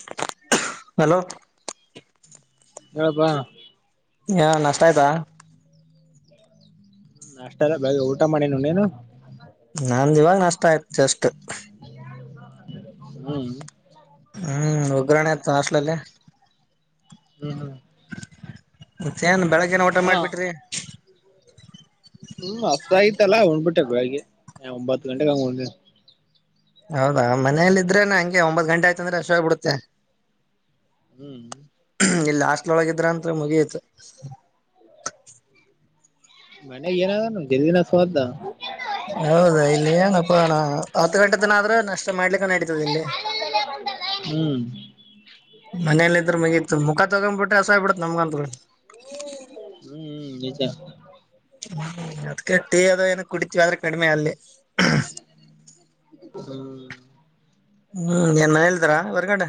[unintelligible] Hello ಹೇಳಪ್ಪ ಹ ನಷ್ಟ ಆಯ್ತಾ ನಷ್ಟ ಅಲ್ಲ ಬೆಳಗ್ಗೆ ಊಟ ಮಾಡಿನಿ ನೀನು ನಂದ ಇವಾಗ ನಷ್ಟ ಆಯ್ತು ಜಸ್ಟ್ ಹ್ಮ್ ಹ್ಮ್ ಹೋಗ್ರಣ್ಣೆ ಇತ್ತು ಹಾಸ್ಟೆಲ್ ಅಲ್ಲಿ ಹ್ಮ್ ಹ್ಮ್ ಇವತ್ತು ಏನು ಬೆಳಗ್ಗೆನೆ ಊಟ ಹಾ ಮಾಡಿಬಿಟ್ರಿ [unintelligible] ಹ್ಮ್ ಹಸವು ಆಯ್ತಲ್ಲ ಉಣ್ಬಿಟ್ಟ ಬೆಳಗ್ಗೆ ಒಂಬತ್ತು ಗಂಟೆಗೆ ಹಂಗ ಉಂಡೆ ಹೌದಾ ಮನೇೆಯಲ್ಲಿ ಇದ್ರೆನೆ ಹಂಗೆ ಒಂಬತ್ ಗಂಟೆ ಆಯ್ತಂದ್ರೆ ಹಸುವು ಹಾಗಿ ಬಿಡುತ್ತೆ ಹ್ಮ್ ಇಲ್ಲಿ ಹಾಸ್ಟೆಲ್ ಒಳಗಿದ್ರ ಅಂದ್ರ ಮುಗಿತ್ತು ಮನೆಗ್ ಏನಾದ ನಮ್ ಜಲ್ದಿನಾ ಹೌದಾ ಇಲ್ಲಿ ಏನಪ್ಪ ನಾ ಹತ್ತು ಗಂಟೆ ದನ ಆದ್ರೂ ನಷ್ಟ ಮಾಡ್ಲಿಕ್ಕಾನ ಇಡಿತದ ಇಲ್ಲಿ ಹ್ಮ್ ಮನೇಲ್ಲ ಇದ್ರು ಮುಗಿತತ್ತು ಮುಖ ತಗೋಡ್ಬಿಟ್ಟು ಸಾಯ್ ಬಿಡುತೆ ನಮಗೆ ಅಂತೂ ಹ್ಮ್ [inaudible] ಹ್ಮ ಅದ್ಕ ಟೀ ಅದ ಏನ ಕುಡಿತೀವಿ ಆದ್ರೆ ಕಡಿಮೆ ಅಲ್ಲಿ [unintelligible] [inaudible] ಹ್ಮ್ ಏನ್ರಾ ಹೇಳಿದ್ರ ಹೊರ್ಗಡೆ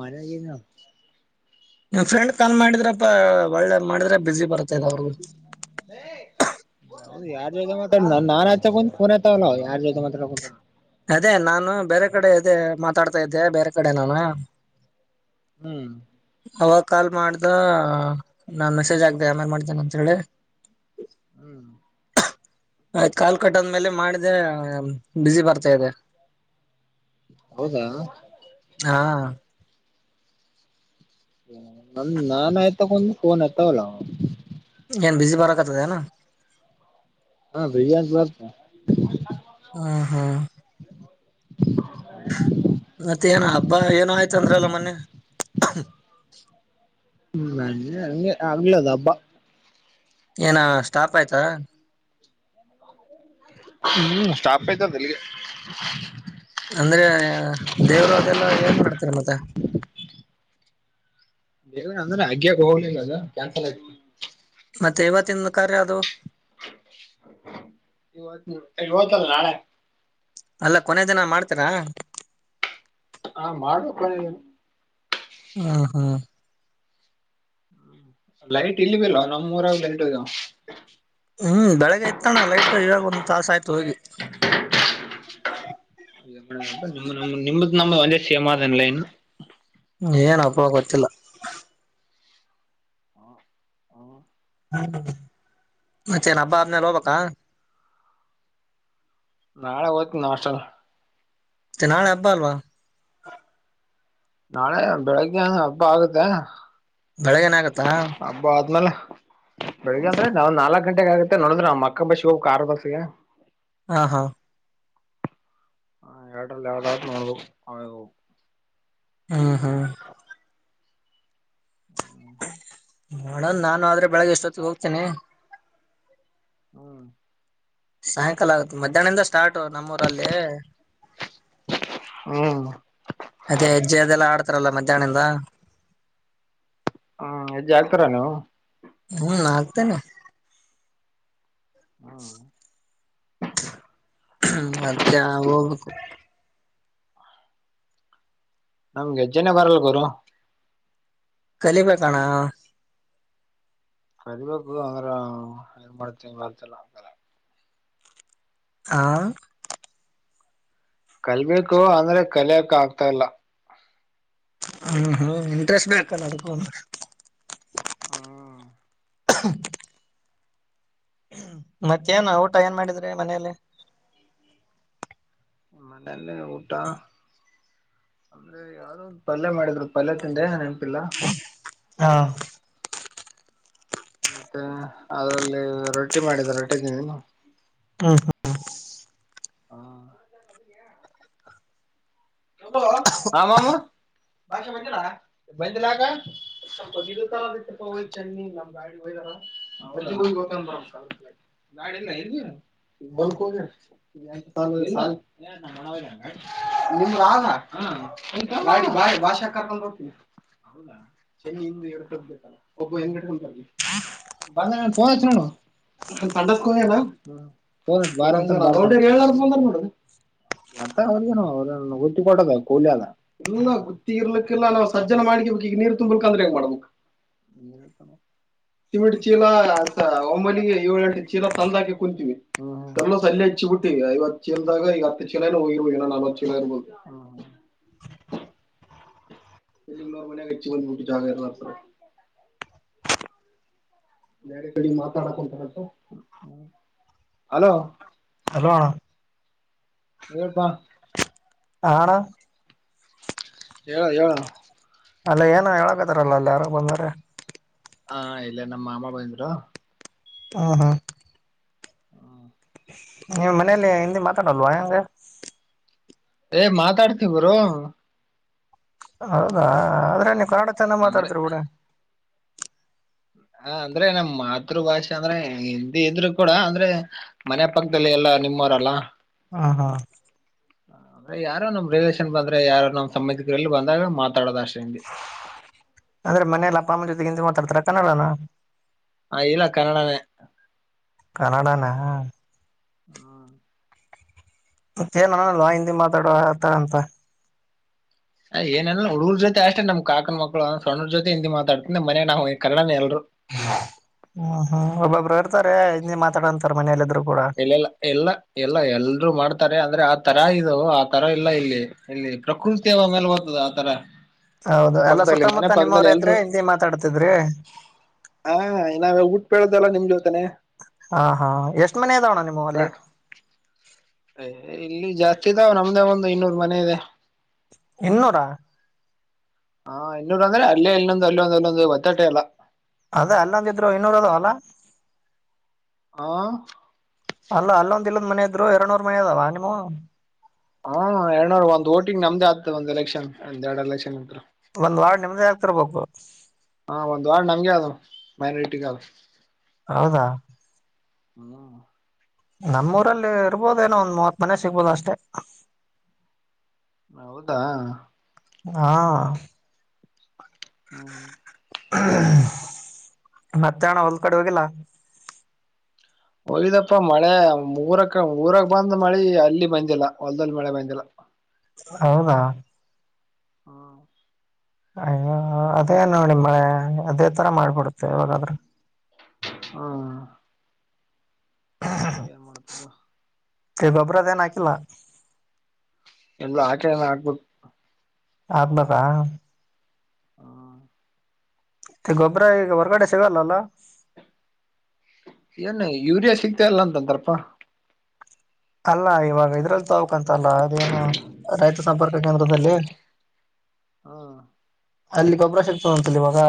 ಮನೆಗಿನ ನಿನ ಫ್ರೆಂಡ್ ಕಾಲ್ ಮಾಡಿದ್ರಪ್ಪ ಒಳ್ಳೆ ಮಾಡಿದ್ರೆ ಬಿಜಿ ಬರ್ತ್ತದ ಅವ್ರಗೆ ಯಾರ್ ಜೊತೆ ಮಾತಾಡ ನ ನಾನ್ ಆಯ್ತ ಕು ಫೋನ್ ಏತವಲ್ಲ ಯಾರ್ ಜತೆ ಮಾತಾಡಕಂತ ಅದೇ ನಾನು ಬೇರೆ ಕಡೆ ಅದೆ ಮಾತಾಡ್ತಾ ಇದ್ದೆ ಬೇರೆ ಕಡೆ ನಾನು ಹ್ಮ್ ಅವಾಗ ಕಾಲ್ ಮಾಡ್ದ ನಾನು ಮೆಸೇಜ್ ಆಗಿದೆ ಆಮೇನ್ ಮಾಡ್ದೇನೆ ಅಂತೇಳಿ ಹ್ಮ್ ಆಯ್ತ್ ಕಾಲು ಕಟ್ಟದ್ಮೇಲೆ ಮಾಡಿದ್ರೆ ಬಿಜಿ ಬರ್ತ ಇದೆ ಹೌದಾ ಹಾ ನ ನಾನ್ ಆಯ್ತಕಂದ ಫೋನ್ ಆತವಲ್ಲ ಏನ್ ಬಿಜಿ ಬರಕತದನ ಆ ಬಿಜಿ ಅತಬರಾಕ್ತದ ಹ್ಮ್ ಹ್ಮ್ ಮತ್ತೆ ಏನ ಹಬ್ಬ ಏನೋ ಆಯ್ತ ಅಂದ್ರಲ್ಲ ಮೊನ್ನೆ [unintelligible] ಹ ಅ ಅಗಲ್ಲದಬ್ಬ ಏನ ಸ್ಟಾಪ್ ಆಯ್ತಾ ಹ್ಮ್ ಸ್ಟಾಪ್ ಆಯ್ತಲ್ಲಿಗೆ. ಅಂದ್ರೆ ದೇವ್ರು ಅದೆಲ್ಲ ಏಂಗ ಮಾಡ್ತಾರೆ ಮತ್ತೆ. ಬೇಗ ಅಂದ್ರೆ ಅಗ್ಗ ಹೋಗ್ಲಿಲ್ಲ ಅದ ಕ್ಯಾನ್ಸಲ್ ಆಯತು. ಮತ್ತೇ ಯಾವತ್ತು ಕಾರ್ಯಾದು ಅದು. ಇವತ್ತು ಹತಲ್ಲ ನಾಳೆ. ಅಲ್ಲ ಕೊನೇ ದನ ಮಾಡ್ತರಾ. ಹಾ ಮಾಡಬೇಕ ಕೊ. ಹಾ ಹಾ. ಲೈಟ್ ಇಲ್ಲಿ ಬಲ್ವಾ ನಮ್ಮ ಊರಾಗ್ ಲೈಟ್ ಇಲ್ಲ. ಹ್ಮ್ ಬೆಳಗ್ ಇಯತ್ತುತಣ್ಣ ಲೈಟ್ ಇವಾಗ ಒಂದ್ ತಾಸ ಆಯ್ತು ಹೋಗಿ. [inaudible] ನಿಮ್ದ ನಮ್ಗೆ ಒಂದೇ ಸೇಮನಲ್ಲ ಇನ್ನು. ಏನಪ್ಪ ಗೊತ್ತಿಲ್ಲ. ಮತ್ತೆ ಹಬ್ಬ ಆದ್ಮೇಲೆ ಹೋಗ್ಬೇಕಾ ನಾಳೆ ಹೋದ್ತ ನ ಹಾಸ್ಟೆಲ್ ಮತ್ತೆ ನಾಳೆ ಹಬ್ಬ ಅಲ್ವಾ. ನಾಳೆ ಬೆಳಗ್ಗೆಂದ ಹಬ್ಬ ಆಗುತ್ತೆ. ಬೆಳಗ್ ಏನ ಆಗತ್ತಾ. ಹಬ್ಬ ಆದ್ಮೇಲೆ ಬೆಳಿಗ್ಗೆ ಅಂದ್ರೆ ನಾವ್ ನಾಲ್ಕಕ್ ಗಂಟೆಗ ಆಗತ್ತೆ ನೋಡದ್ರ ನ ಅಕ್ಕ ಬಸಿ ಹೋಗ ಕಾರಾರ್ ದಸಗ. ಹಾ ಹಾ. ಎರಡರಲ್ಲಿ ಯಾವುದಾದರೂ ನೋಡ್ಬೇಕು. ಹ್ಮ್ ಹ್ಮ್. ನೋಡನ್ ನಾನು ಆದ್ರೆ ಬೆಳಗ್ಗೆ ಎಷ್ಟೊತ್ತ ಹೋಗ್ತೇನ. ಹ್ಮ್. ಸಾಯಂಕಾಲ ಆಗುತ್ತ ಮಧ್ಯಾಹ್ನದಿಂದಷ್ಟ. ತಗೊಂಡ್ ನಮ್ಮೂಊರಲ್ಲಿ ಹ್ಮ್ ಅದೇ ಹೆಜ್ಜೆ ಅದೆಲ್ಲ ಆಡ್ತಾರಲ್ಲ ಮ. ಜಾಣಿಂದ. ಹ್ಮ್ ಹೆಜ್ಜೆ ಹಾಕ್ತಾರೆ ನೀವು ಹ್ಮ್ ಹಾಕ್ತೀನಿ ಹ್ಮ. ಅದಕ್ಕೆ ಹೋಗಬೇಕು ನಮ್ಗೆ ಹೆಜ್ಜನೆೇ ಬರಲ್ ಗುರು. ಕಲಿಬೇಕಣ. ಕಲಿಬೇಕು ಅಂದ್ರ ಏನ್ ಮಾಡ ತಿಂಗಗಳ ಅತಲ್ಲ. ಹಾ, ಕಲಿಬೇಕು ಅಂದ್ರೆ ಕಲಿಯಕ್ ಆಗ್ತಾ ಇಲ್ಲ. ಹಾ ಹಾ ಇಂಟ್ರೆಸ್ಟ್ನ ಆಕಲ್ಲ ಅಡ್ಕೊ. ಹ್ಮ, ಹ. ಮತ್ತೇನ ಊಟ ಏನ್ ಮಾಡಿದ್ರೆ ಮನೇೆಯಲ್ಲಿ. ಮನೆಲ್ಲಿ ಎಲ್ಲ ಊಟಾ. ಅಂದ್ರೆ ಯಾರು ಒ ಪಲ್ಯ ಮಾಡಿದ್ರು ಪಲ್ಯ ತಿಂದೆ. ಗೊತ್ತಿಲ್ಲ ಹಾ ಮತ್ತೆ ಅದ್ರಲ್ಲಿ ರೊಟ್ಟಿ ಮಾಡಿದ ರೊಟ್ಟಿದ್ದೀನಿ ಹ್ಮ್ ಹಾ ಹ ಆಮಾಮ ಬಂದಿಲ್ಲ ಯಾಕ ನಿಮ್ದ ಮಾಮಾ ಭಾಷಾ ಕರ್ಕೊಂಡು ಹೋಗ್ನಿ ಅಡ್ರೆಸ್ ಮತ್ತೆನ್ ಅವರದು ಎಲ್ಲ ಗತ್ತಿ ಇರ್ಲಿಕ್ಕೆಲ್ಲ ನಾವು ಸಜ್ಜನ ಮಾಡ್ ಈಗ ನೀರ್ ತುಂಬಕ್ ಅಂದ್ರೆ ಹೆಂಗ ಮಾಡ್ಬೇಕ ಸಿಮೆಂಟ್ ಚೀಲ ಒಮ್ಮಿಗೆ ಏಳ ಗಂಟ ಚೀಲ ತಂದಾಕಿ ಕುಂತೀವಿ ಎಲ್ಲ ಸಲ್ಲ ಹಚ್ಚಿ ಬಿಟ್ಟಿವ ಐವತ್ ಚೀಲ್ದಾಗ ಈಗ ಹತ್ತು ಚೀಲ ಹೋಗಿರ್ ನವ ನಲ್ವತ್ತು ಚೀಲ ಇರ್ರವರು ಇಲ್ಲಿಂಗ ನೂರ್ ಮನಯಾಗ ಹಚ್ಚಿ ಬಂದ್ಬ ಬಿಟ್ಟಿಟ್ಟ ಹಾಗಾಗ ಾರ ಮಾಡರ್ತಾರೆ ನರೆ ಕಡೆ ಮಾತಾಡಕಂತಾರು ಅಲೋ ಹಲೋ ಹೆಲ್ಪ್ ಹರ ಹೇಳ ಹೇಳಏಳ ಅಲ್ಲ ಏನ ಹೇಳಕತ್ತಾರಲ್ಲ ಅಲ್ಲ ಯಾರು ಬಂದಾರ ಹಾ ಇಲ್ಲ ನಮ್ಮ ಮಾಮ್ಮ ಬಂದ್ರು ಹಾ ಹಾ ನೀವು ಮನೇಲಿ ಹಿಂದಿ ಮಾತಾಡಲ್ವಾ ಹೆಂಗ ಏ ಮಾತಾಡ್ತಿೀ ಬ್ರೋ ಹೌದಾ ಅದ್ರ ಕನ್ನಡ ಚೆನ್ನ ಅಂದ್ರೆ ಮಾತಾಡ್ತರ ಬಿಡ್ರಿ ಹ ಅಂದ್ರೆ ನಮ್ಮ ಮಾತೃ ಭಾಷೆ ಅಂದ್ರೆ ಹಿಂದಿ ಇದ್ರು ಕೂಡ ಅಂದ್ರೆ ಮನೆ ಪಕ್ಕದಲ್ಲಿ ಎಲ್ಲಾ ನಿಮ್ಮವ್ರಲ್ಲ ಹಾ ಹಾ ಅಂದ್ರೆ ಯಾರೋ ನಮ್ ರಿಲೇಷನ್ ಬಂದ್ರೆ ಯಾರು ನಮ್ ಸಂಬಂಧಿಕರೆಲ್ಲಿ ಬಂದಾಗ ಮಾತಾಡೋದ ಅಷ್ಟ ಹಿಂದಿ ಅಂದ್ರೆ ಮನೆಯಲ್ಲ ಅಪ್ಪ ಅಮ್ಮ ಜೊತೆಗಿಂತ ಹಿಂದಿ ಮಾತಾಡ್ತಾರ ಕನ್ನಡನ ಹ ಇಲ್ಲ ಕನ್ನಡನೇ ಕನ್ನಡನ ಹೂ ಮತ್ತಏನಲ್ವಾ ಹಿಂದಿ ಮಾತಾಡುವ ಆತ ಅಂತ ಏನಲ್ಲ ಹುಡುೂರ್ ಜೊತೆ ಅಷ್ಟೇ ನಮ್ ಕಾಕನ ಮಕ್ಳು ಸಣ್ಣ್ರ ಜೊತೆ ಹಿಂದಿ ಮಾತಾಡ್ತೆ ಮನೆ ನಾ್ ಕನ್ನಡನೇ ಎಲ್ರು ಹ ಹಾ ಒ ಬಬ್ರ ಮಾತಾಡ ಅಂತ ಮನೇಲಿಿದ್ರು ಇಲ್ಲೆಲ್ಲ ಎಲ್ಲ ಎಲ್ಲ ಎಲ್ರುೂ ಮಾಡ್ತಾರೆ ಅಂದ್ರೆ ಆ ತರ ಇದು ತರ ಇಲ್ಲ ಇಲ್ಲಿ ಇಲ್ಲಿ ಪ್ರಕೃತಿ ಆ ಮೇಲೆ ಬರ್ತದ ಆತರ ಹೌದು ಎಲ್ಲಾ ಪಕ್ಕದಲ್ಲಿ ಮನೆ ಸುತ್ತಮುತ್ತ ಪಕ್ಕದಲ್ಲಿ ನಿಮ್ಮವರ ಇದ್ರೆ ಎಲ್ರು ಹಿಂದಿ ಮಾತಾಡ್ತಿದ್ರಿ ಹೇಳೇಳದಲ್ಲ ನಿಮ್ದೆ ಜೊತೆ ಹಾ ಹಾ ಎಷ್ಟ್ ಮನೆ ತಣ್ಣ ನಿಮವು ಅಲ್ಲಿ. ಅಯ್ ಇಲ್ಲಿ ಜಾಸ್ತಿ ಇದಾವ ನಮ್ದೇ ಒಂದು ಇನ್ನೂರು ಮನೆ ಇದೆ. ಇನ್ನೋರಾ. ಹಾ ಇನ್ನೂರು ಅಂದ್ರೆ ಅಲ್ಲೇ ಇಲ್ಲೊಂದು ಅಲ್ಲಲ್ಲಿ ಒಂದು ಅಲ್ಲೊಂದು ಒತ್ತಟೆ ಯಲ್ಲ ಅದೇ ಅಲ್ಲಂದ ಇದ್ರು ಇನ್ನೂರ ಅದ ಅಲ್ಲ. ಹ ಅಲ್ಲ ಅಲ್ಲೊಂದ ಇಲ್ಲೊಂದ್ ಮನೆ ಇದರು ಎರಡುನೂರು ಮನೆ ಅದಾವ ನಿಮ್ಮವು. ಹಾ ಎರಡ್ನೂರ್ ಒಂದ್ ವೊಟಿಂಗ್ ನಮ್ದೆ ಆಗ್ತದ ಒಂದ್ ಎಲೆಕ್ಷನ್ ಒಂದ್ ಎರಡ್ ಎಲೆಕ್ಷನ್ ಅಂತ್ರು ಒಂದ್ ವಾರ್ಡ್ ನಿಮದ ಆಗ್ತಿರ್ಬೇಕು. ಹ ಒಂದ್ ವಾರ್ಡ್ [unintelligible] ಹೌದಾ. ಹ್ಮ. ನಮ್ಮೂರಲ್ಲಿ ಇರ್ಬೋದ ಏನೋ ಒಂದ್ ಮೂವತ್ ಮನೆ ಸಿಗ್ಬೋದು ಅಷ್ಟೆ. ಹೌದಾ. ಹಾ ಹ್ಮ. ಮತ್ತೆಣ ಹೊಲ್ ಕಡೆ ಹೋಗಿಲ್ಲ. ಹೋಗಿದ್ದಪ್ಪ ಮಳೆ ಮೂರಕ್ಕೆ ಊರಗ್ ಬಂದ್ ಮಳೆ ಅಲ್ಲಿ ಬಂದಿಲ್ಲ ಹೊಲ್ದಲ್ಲಿ ಮಳೆ ಬಂದಿಲ್ಲ. ಹೌದ ಹಾಂ. ಅಯ್ಯೋ ಅದೇ ನೋಡಿ ಮ ಅದೇ ತರ ಮಳೆ ಬರುತ್ತೆ ಯವಾಗಾದ್ರೂ. ಹಾ ಏನ್ ಮಾಡತಮ್ಮ. ಗೊಬ್ಬರಗೆ ಏನ್ ಹಾಕಿಲ್ವ. ಇನ್ನು ಹಾಕಿಲ್ಲ ಹಾಕ್ಬೇಕು [unintelligible] ಹಾ ಗೊಬ್ಬರ ವರಗಡೆ ಸಿಗಲ್ಲ ಅಲ್ಲ ಏನ್ ಯೂರಿಯಾ ಸಿಗ್ತ ಅಲ್ಲ ಅಂತಂತಾರಪ್ಪಾ ಅಲ್ಲ ಇವಾಗ ಇದ್ರಲ್ಲಿ ತಾವುಕಂತಲ್ಲ ಅದೇನು ರೈತ ಸಂಪರ್ಕ ಕೇಂದ್ರದಲ್ಲಿ. ಹಾ ಅಲ್ಲಿ ಗೊಬ್ಬರ ಸಿಕ್ತವಂತಲ್ಲ ಇವಾಗ.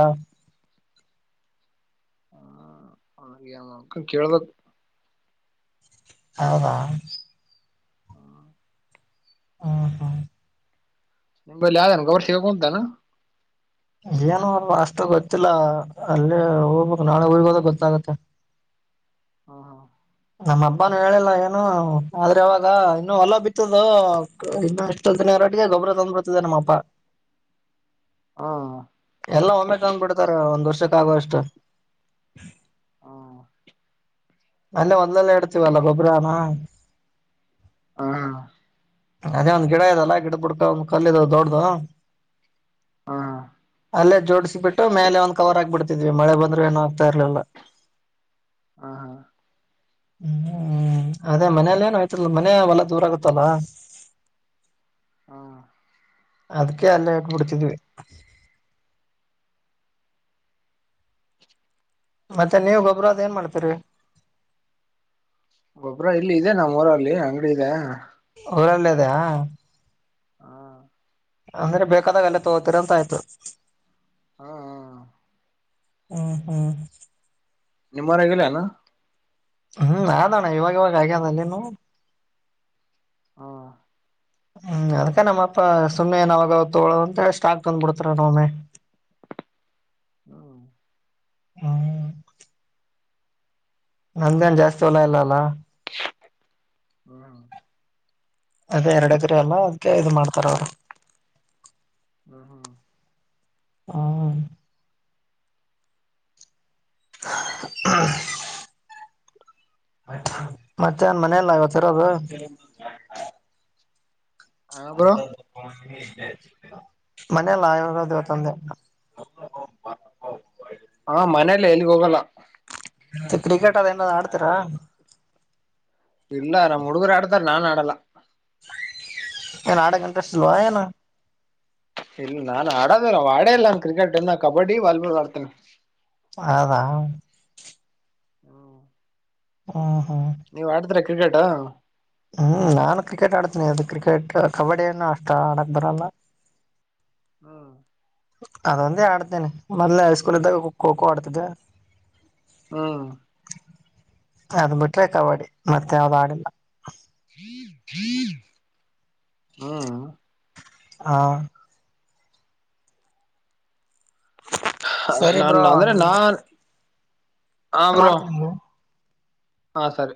ಹ್ಮ ಹಾಗ ಕೇಳ್ಬೇಕು. ಹೌದ ಹ್ಮ. ಹ ಹ. ನಿಮಲ್ಲಿ ಯಾವ್ದನ್ ಗೊರ್ ಸಿಬೇಕು ಅಂತಾನು ಏನು ಅ ಅಷ್ಟು ಗೊತ್ತಿಲ್ಲ ಅಲ್ಲೇ ಹೋಗ್ಬೇಕು ನಾಳೆ [unintelligible] ಗೊತ್ತಾಗುತ್ತೆ. ಹಾ ಹಾ ನಮ್ಮ ಹಬ್ಬಾನ ಹೇಳಿಲ್ಲ ಏನು ಆದ್ರೆ ಅವವಾಗ ಇನ್ನುೂ ಹೊಲ ಬಿತ್ತದು ಇನ್ನು ಇಷ್ಟೊ ದಿನ ರೆಟ್ಟಿಗೆ ಗೊಬ್ಬರ ತಂದ ಬಿಡ್ತದೆ ನಮ್ಮಬ್ಬ ಹಾ ಎಲ್ಲ ಒಮೆಜಾನ್ ಬಿಡ್ತಾರೆ ಒಂದ್ ವರ್ಷ. [unintelligible] ಹಾ ಅಲ್ಲೆ ಒಂದಲ್ಲಲೆ ಇಡ್ತೀವಲ್ಲ ಗೊಬ್ಬ್ರಾನು. ಹಾ ಅದೇ ಒಂದ್ ಗಿಡ ಇದೆಲ್ಲಾ ಗಿಡ ಬಿುಡ್ಕ ಒಂದ್ ಕಲ್ದಾವ ದೊಡ್ಡ್ದು. ಹಾ ಅಲ್ಲೇ ಜೋಡಿಸಿಬಿಟ್ಟು ಮೇಲೆ ಒಂದ್ ಕವರ್ ಆಗ್ಬಿಡ್ತಿದ್ವಿ ಮಳೆ ಬಂದ್ರೂ ಏನ ಆಗ್ತಾ ಇರ್ಲಿಲ್ಲ ಹಾ ಹಾ ಹ್ಮ್ ಅದೇ ಮನೇೆಯಲ್ಲಿ ಏನ ವಾಯಿತಿರಲಿಲ್ ಮನೆ ಹೊಲ ದೂರ ಆಗತ್ತಲ್ಲ ಹಾ ಅದಕ್ಕೆ ಅಲ್ಲೆ ಇಟ್ ಬಿಡತ್ದಿವಿ ಮತ್ತೆ ನೀವ ಗೊಬ್ಬರ ಅದ್ ಏನ್ ಮಾಡ್ತೀರಿ ಗೊಬ್ಬ್ರ ಇಲ್ಲಿ ಇದೆ ನಮ್ಮ್ ಊರಲ್ಲಿ ಅಂಗಡಿ ಇದೆ ಊರಲ್ಲೇ ಅದೆಯ ಹಾ ಅಂದ್ರೆ ಬೇಕಾದಾಗ ಎಲ್ಲ ತೊಗೋತೀರಂತ ಆಯ್ತು ಹಾ ಹಾ ಹ್ಮ್ ಹ್ಮ್ ನಿಮ್ಮೂರಾಗಿಲ್ಲೇನು ಹ್ಮ್ ಆದಣ್ಣ ಇವಾಗ ಇವಾಗ ಆಗ್ಯದ ಅಲ್ಲಿನು ಹಾ ಹ್ಮ್ ಅದ್ಕ ನಮ್ಮಪ್ಪ ಸುಮ್ಮನೆನಾವಾಗ ತೊಗೊಳೋದು ಅಂತ ಸ್ಟಾಕ್ ತಂದ್ಬಿಡ್ತಾರ ವಮ್ಮೆ ಹ್ಮ ಹ್ಮ ನಂದೇನ್ ಜಾಸ್ತಿ ಹೊಲಾ ಇಲ್ಲ ಅಲ್ಲ ಹ್ಮ ಅದೇ ಎರಡು ಎಕ್ರೆ ಅಲ್ಲ ಅದ್ಕ್ಕೆ ಇದು ಮಾಡ್ತಾರ ಅವರು ಹ ಹ್ಮ ಹ್ಮ [unintelligible] ಮತ್ತೆನ್ ಮನೆಯಲ್ಲ ಇವತ್ತರೋದು ಬ್ರೋ [unintelligible] ಮನೆಲ್ಲ ಇರದ ಅಂತ ಅಂದೆ ಹಾ ಮನೇಲಿ ಎಲ್ಗ ಹೋಗಲ್ಲ ಮತ್ತ ಕ್ರಿಕೆಟ್ ಏನರ ಆಡ್ತೀರಾ ಇಲ್ಲ ನಮ್ಮ ಹುಡುಗರು ಆಡ್ತಾರ ನಾನ್ ಆಡಲ್ ಏನ್ ಆಡಕ ಇಂಟ್ರೆಸ್ಟ್ಲ್ ಏನು ಇಲ್ಲ ನಾನ್ ಆಡೋದಿಲ್ಲ ಆಡೇ ಇಲ್ಲ ನಾನ ಕ್ರಿಕೆಟ್ ಕಬಡ್ಡಿ ವಾಲಿಬಾಲ್ ಆಡ್ತೇನೀ ಹೌದ ಹ್ಮ ಹ ಹಾ ನೀವ್ ಆಡ್ದ್ರ ಕ್ರಿಕೆಟಾ ಹ್ಮ್ ನಾನು ಕ್ರಿಕೆಟ್ ಆಡ್ತೀನಿ ಅದು ಕ್ರಿಕೆಟ್ ಕಬಡ್ಡಿಯನ್ನು ಅಷ್ಟ ಆಡಕ್ ಬರಲ್ಲ ಹ್ಮ ಅದೊಂದೇ ಆಡ್ತೇನೆ ಮೊದಲೆ ಹೈಸ್ಕೂಲ್ ಇದ್ದಾಗ ಖೋ ಖೋ ಆಡುತ್ತಿದ್ದೆ ಹ್ಮ ಅದು ಬಿಟ್ರೆ ಕಬಡ್ಡಿ ಮತ್ತೆ ಯಾವ್ದ್ ಆಡಿಲ್ಲ ಹ್ಮ ಹಾ ಅ ಸರಿ ನಾನ ಅಂದ್ರೆ ನಾನ್ ಮಾಡ್ತೀನ್ ಬ್ರೋ ಹಾ ಸರಿ.